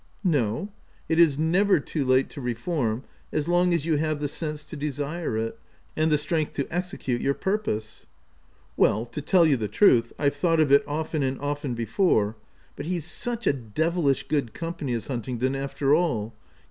" No ; it is never too late to reform, as long as you have the sense to desire it, and the strength to execute your purpose." " Well, to tell you the truth, I've thought 01 it often and often before, but he's such devilish good company is Huntingdon, after all — you OF WILDFELL HALL.